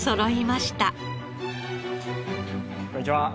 こんにちは。